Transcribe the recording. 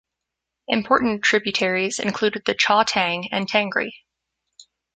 Important tributaries include the Chautang and Tangri.